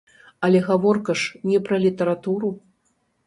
Але гаворка ж не пра літаратуру.